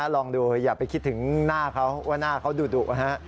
ลองดูอย่าไปคิดถึงหน้าเขาว่าหน้าเขาดุนะฮะ